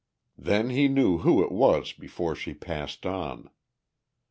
Then he knew who it was before she passed on.